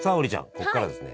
ここからですね